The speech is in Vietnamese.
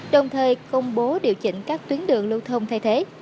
đồng thời công bố điều chỉnh các tuyến đường lưu thông thay thế